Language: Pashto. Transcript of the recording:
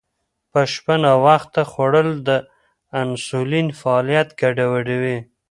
په شپه ناوخته خوړل د انسولین فعالیت ګډوډوي.